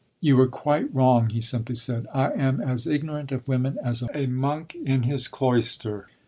"You were quite wrong," he simply said. "I am as ignorant of women as a monk in his cloister."